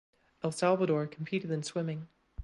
El Salvador competed in swimming.